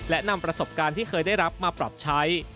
และนำประสบการณ์ที่เคยได้รับมาปรับใช้